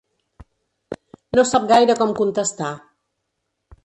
No sap gaire com contestar.